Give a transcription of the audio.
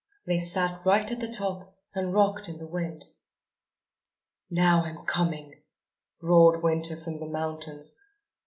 They sat right at the top and rocked in the wind! "Now I'm coming," roared Winter from the mountains.